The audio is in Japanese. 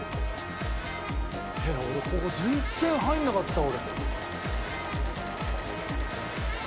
「俺ここ全然入らなかった俺」